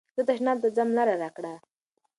زه تشناب ته ځم لاره راکړه.